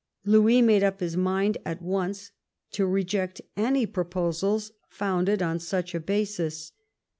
Louis made up his mind at once to reject any proposals founded on such a basis.